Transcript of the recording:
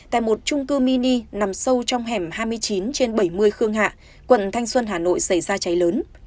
tại một trung cư mini nằm sâu trong hẻm hai mươi chín trên bảy mươi khương hạ quận thanh xuân hà nội xảy ra cháy lớn